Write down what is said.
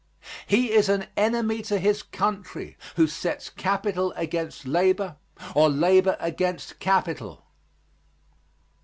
He is an enemy to his country who sets capital against labor or labor against capital.